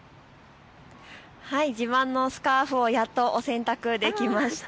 自慢のスカーフをやっとお洗濯できました。